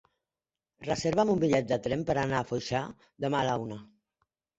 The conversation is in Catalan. Reserva'm un bitllet de tren per anar a Foixà demà a la una.